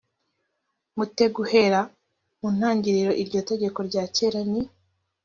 mu te guhera mu ntangiriro iryo tegeko rya kera ni